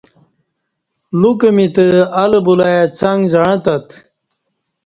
لوکہ می تہ الہ بولای څݣ زعں تت